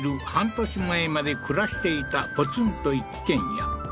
半年前まで暮らしていたポツンと一軒家